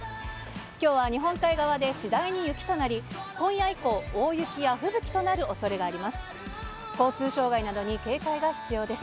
きょうは日本海側で次第に雪となり、今夜以降、大雪や吹雪となるおそれがあります。